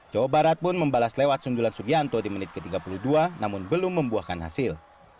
jawa barat pun membalas lewat sunjulan sugianto di menit ke tiga puluh dua namun belum membuahkan hasil